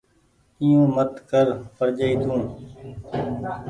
ائيو مت ڪر پڙجآئي تو۔